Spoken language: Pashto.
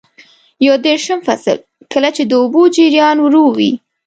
یو دېرشم فصل: کله چې د اوبو جریان ورو وي.